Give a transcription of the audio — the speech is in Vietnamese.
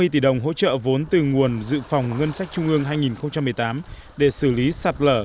năm mươi tỷ đồng hỗ trợ vốn từ nguồn dự phòng ngân sách trung ương hai nghìn một mươi tám để xử lý sạt lở